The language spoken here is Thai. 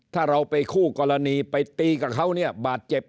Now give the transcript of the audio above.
ถ้าเราไปคู่กรณีไปตีกับเขาเนี่ยบาดเจ็บ